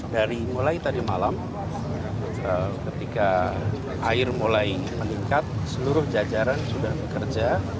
dari mulai tadi malam ketika air mulai meningkat seluruh jajaran sudah bekerja